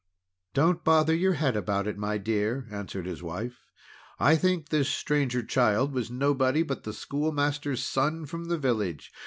"Don't bother your head about it, my dear," answered his wife. "I think this Stranger Child was nobody but the schoolmaster's son from the village.